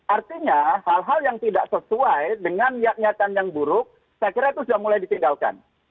artinya hal hal yang tidak sesuai dengan niat niatan yang buruk saya kira itu sudah mulai ditinggalkan